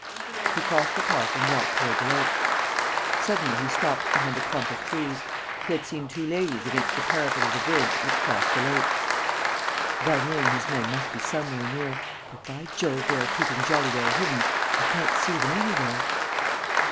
He crossed the park and walked toward the lake. Suddenly he stopped behind a clump of trees. He had seen two ladies against the parapet of the bridge that crossed the lake: "Varnier and his men must be somewhere near. But, by Jove, they are keeping jolly well hidden! I can't see them anywhere.